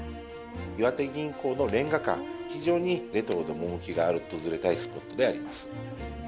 岩手銀行のレンガ館、非常にレトロで趣がある、訪れたいスポットであります。